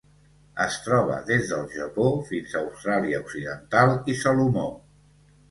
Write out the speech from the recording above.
Es troba des del Japó fins a Austràlia Occidental i Salomó.